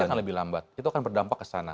pasti akan lebih lambat itu akan berdampak kesana